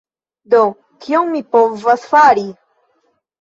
Do, kion mi povas fari?